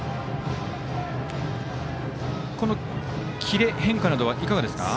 キレ、変化などはいかがですか？